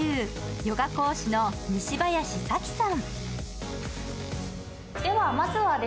ヨガ講師の西林さきさん。